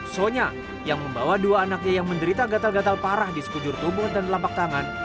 sonya yang membawa dua anaknya yang menderita gatal gatal parah di sekujur tubuh dan lapak tangan